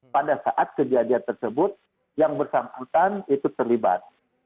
pada saat kejadian tersebut yang bersangkutan itu terlibat